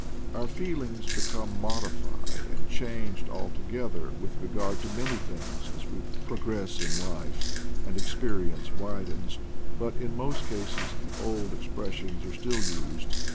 Our feelings become modified and changed altogether with re gard to many things as we progress in life, and experience widens, but in most cases the old ex pressions are still used.